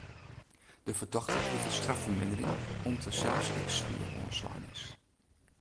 De fertochte kriget straffermindering om't er sels ek swier oanslein is.